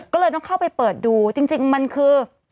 ก็เลยต้องเข้าไปเปิดดูจริงมันคือ